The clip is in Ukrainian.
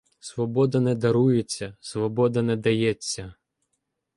Свобода не дарується, свобода не дається.